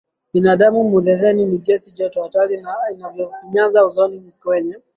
binadamu Metheni ni gesi joto hatari sana inayofanyiza ozoni kwenye